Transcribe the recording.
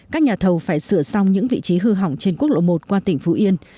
các nhà thầu phải sửa xong những vị trí hư hỏng trên quốc lộ một qua tỉnh phú yên